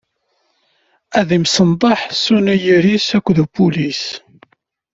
Ad imsenḍaḥ s uniyir-s akked upulis..